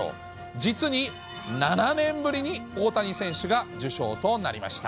実に７年ぶりに大谷選手が受賞となりました。